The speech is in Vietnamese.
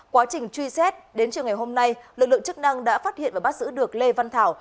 quá trình truy xét đến chiều ngày hôm nay lực lượng chức năng đã phát hiện và bắt giữ được lê văn thảo